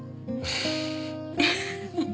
フフフ。